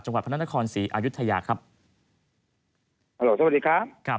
จังหวัดพระนักความศรีอายุทธยาครับฮัลโหลสวัสดีครับครับ